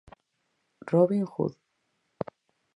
Robin Hood.